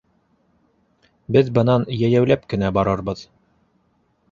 Беҙ бынан йәйәүләп кенә барырбыҙ.